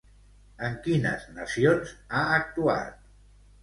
En quines nacions ha actuat?